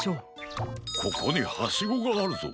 ここにハシゴがあるぞ。